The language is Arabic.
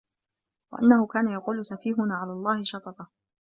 وَأَنَّهُ كانَ يَقولُ سَفيهُنا عَلَى اللَّهِ شَطَطًا